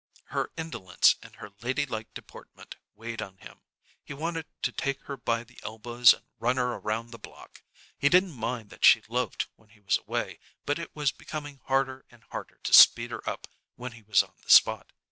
Her indolence and her ladylike deportment weighed on him. He wanted to take her by the elbows and run her around the block. He didn't mind that she loafed when he was away, but it was becoming harder and harder to speed her up when he was on the spot.